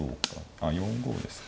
あっ４五ですか。